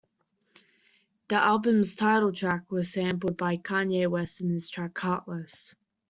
The album's title track was sampled by Kanye West in his track "Heartless".